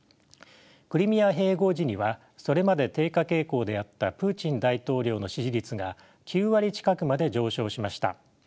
クリミア併合時にはそれまで低下傾向であったプーチン大統領の支持率が９割近くまで上昇しました。